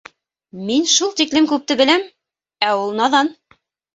Мин шул тиклем күпте беләм, ә ул наҙан!